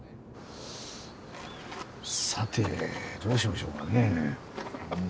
さてどうしましょうかね。